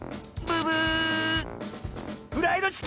ブブー！